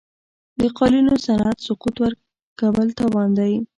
د قالینو صنعت سقوط کول تاوان دی.